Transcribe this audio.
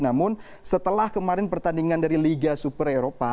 namun setelah kemarin pertandingan dari liga super eropa